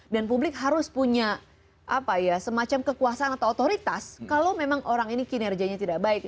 dan publik harus punya semacam kekuasaan atau otoritas kalau memang orang ini kinerjanya tidak baik